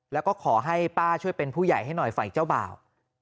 แล้วก็ขอให้ป้าช่วยเป็นผู้ใหญ่ให้หน่อยฝ่ายเจ้าบ่าว